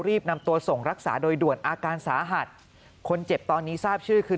รีบนำตัวส่งรักษาโดยด่วนอาการสาหัสคนเจ็บตอนนี้ทราบชื่อคือ